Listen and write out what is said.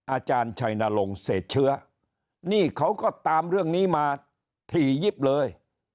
อาจารย์ชัยนรงค์เศษเชื้อนี่เขาก็ตามเรื่องนี้มาถี่ยิบเลย